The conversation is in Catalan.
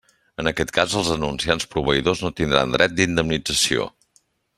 En aquest cas els anunciants proveïdors no tindran dret d'indemnització.